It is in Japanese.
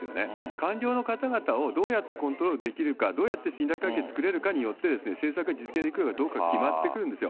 官僚の方々をどうやってコントロールできるか、どうやって信頼関係、作れるかによって、政策実現できるかどうかが決まってくるんですよ。